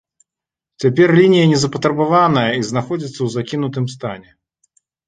Цяпер лінія не запатрабаваная і знаходзіцца ў закінутым стане.